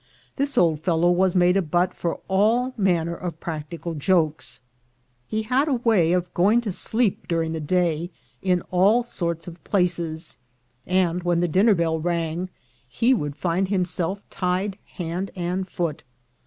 This old fellow was made a butt for all manner of practical jokes. He had a way of going to sleep during the day in all sorts of places; and when the dinner bell rang, he would find himself tied hand and foot.